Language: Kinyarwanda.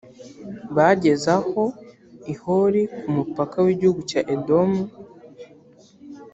bageze aho i hori ku mupaka w’igihugu cya edomu.